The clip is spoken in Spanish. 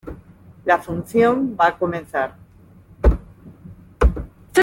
La función va a comenzar.